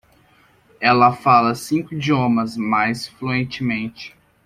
Ela fala cinco idiomas, mas fluentemente.